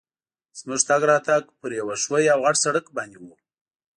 زموږ تګ راتګ پر یوه ښوي او غټ سړک باندي وو.